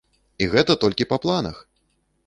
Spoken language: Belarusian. І гэта толькі па планах!